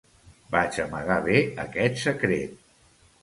Vaig amagar bé aquest secret.